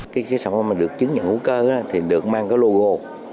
cái sản phẩm mà được chứng nhận hữu cơ thì được mang cái logo